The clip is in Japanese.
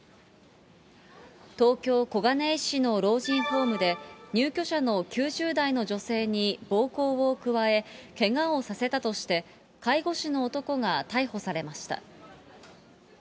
東京・小金井市の老人ホームで、入居者の９０代の女性に暴行を加え、けがをさせたとして、介護士の男が逮捕されました。